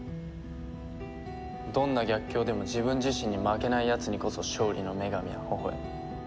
どんな逆境でも自分自身に負けないやつにこそ勝利の女神はほほ笑む。